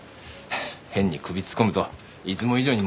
変に首突っ込むといつも以上にもめるぞ。